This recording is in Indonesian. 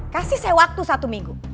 kasih saya waktu satu minggu